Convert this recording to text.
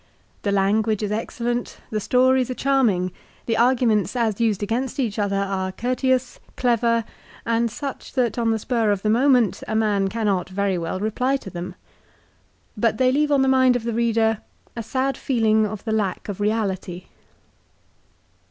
The language is excellent, the stories are charming, the arguments as used against each other, are courteous, clever, and such that on the spar of the moment a man cannot very well reply to them. But they leave on the mind of the reader a sad feeling of the lack of reality.